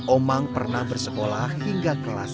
omang pernah bersekolah hingga kelas empat sd